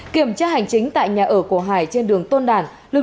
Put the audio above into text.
kiểm tra hành chính tại nhà ở cổ hải trên đường tôn đảng